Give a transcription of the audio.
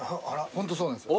ホントそうなんすよ。